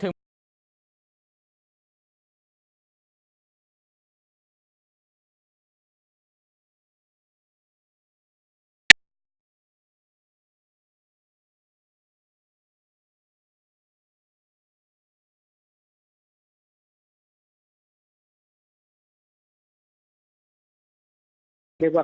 โรงเรียน